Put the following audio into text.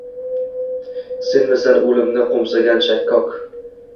Senmisan o’limni qo’msagan shakkok